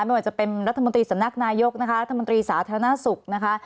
ไม่ว่าจะเป็นรัฐมนตรีสำนักนายกนะคะรัฐมนตรีสาธารณสุขนะคะ